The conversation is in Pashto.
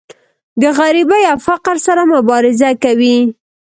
د غریبۍ او فقر سره مبارزه کوي.